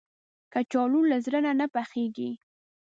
کچالو له زړه نه پخېږي